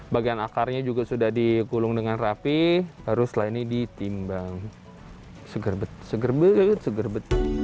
bagian akarnya juga sudah dikulung dengan rapi lalu setelah ini ditimbang segar bet segar bet segar bet